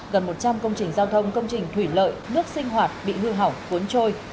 gần một trăm linh công trình giao thông công trình thủy lợi nước sinh hoạt bị hư hỏng cuốn trôi